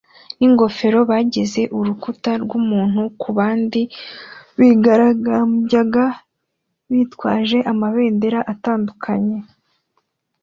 ningofero bagize urukuta rwumuntu kubandi bigaragambyaga bitwaje amabendera atandukanye